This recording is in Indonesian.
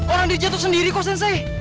orang dia jatuh sendiri kok sensei